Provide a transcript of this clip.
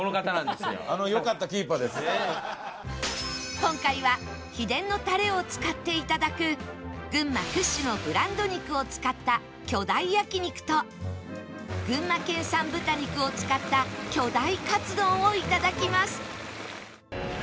今回は秘伝のタレを使っていただく群馬屈指のブランド肉を使った巨大焼肉と群馬県産豚肉を使った巨大カツ丼をいただきます